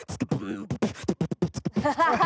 ハハハハハ！